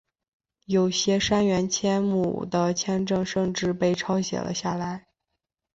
有些杉原千亩的签证甚至被抄写了下来。